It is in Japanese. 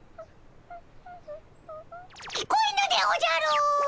聞こえぬでおじゃる！